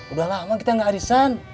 udah lama kita gak arisan